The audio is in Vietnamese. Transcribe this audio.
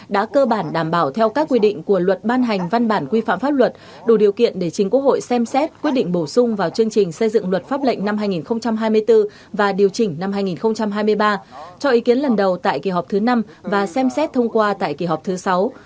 đã cơ bản đảm bảo theo các quy định của luật ban hành văn bản quy phạm pháp luật đủ điều kiện để chính quốc hội xem xét quyết định bổ sung vào chương trình xây dựng luật pháp lệnh năm hai nghìn hai mươi bốn và điều chỉnh năm hai nghìn hai mươi ba cho ý kiến lần đầu tại kỳ họp thứ năm và xem xét thông qua tại kỳ họp thứ sáu